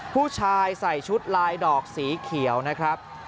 ผู้ชายใส่ชุดลายดอกสีเขียวนะครับ